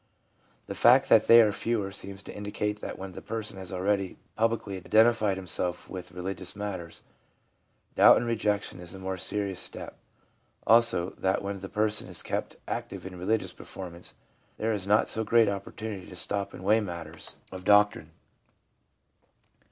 The fact that they are fewer seems to indicate that when the person has already publicly identified himself with religious matters, doubt and rejection is a more serious step ; also that when the person is kept active in religious performance there is not so great opportunity to stop and weigh matters of LINE OF GROWTH FOLLOWING CONVERSION 365 doctrine.